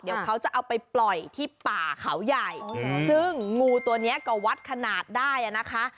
เดี๋ยวเขาจะเอาไปปล่อยที่ป่าเขาใหญ่ซึ่งงูตัวนี้ก็วัดขนาดได้อ่ะนะคะ